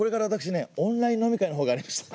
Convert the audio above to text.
オンライン飲み会のほうがありました。